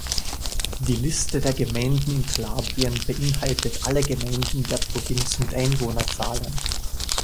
Die Liste der Gemeinden in Kalabrien beinhaltet alle Gemeinden der Provinz mit Einwohnerzahlen.